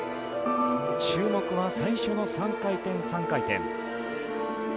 注目は最初の３回転、３回転。